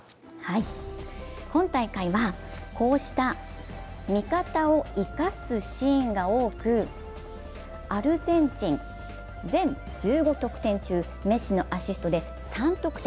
今大会は、こうした味方を生かすシーンが多くアルゼンチン全１５得点中、メッシのアシストで３得点。